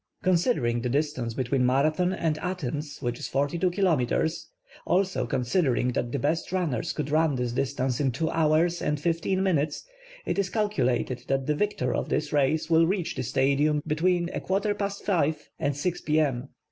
Considering the distance between Marathon and Athens, which is 42 kilometers, also considering that the best runner could run this distance in two hours and fifteen minutes, it is calculated that the victor of this race will reach the Stadium between 5:15 and 6:00 p. m.